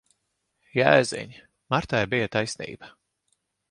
Jēziņ! Martai bija taisnība.